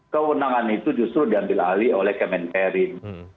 kewenangan itu justru diambil alih oleh kemenperin